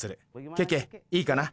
ケケいいかな？